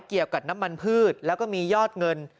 เกี่ยวกับน้ำมันพืชแล้วก็มียอดเงิน